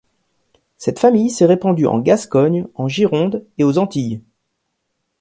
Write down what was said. Cette famille s'est répandue en Gascogne, en Gironde et aux Antilles.